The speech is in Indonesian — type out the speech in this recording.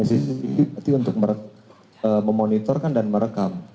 berarti untuk memonitorkan dan merekam